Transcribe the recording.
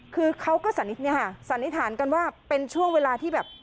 คือเขาก็สันนิษฐานกันว่าเป็นช่วงเวลาที่แบบ